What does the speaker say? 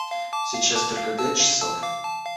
Сейчас только пять часов.